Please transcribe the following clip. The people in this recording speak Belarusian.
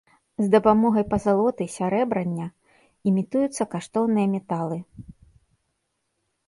З дапамогай пазалоты, серабрэння імітуюцца каштоўныя металы.